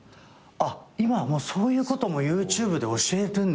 あっ今はそういうこともＹｏｕＴｕｂｅで教えるんだ。